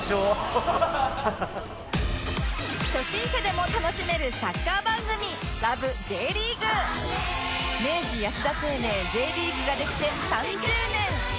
初心者でも楽しめるサッカー番組明治安田生命 Ｊ リーグができて３０年！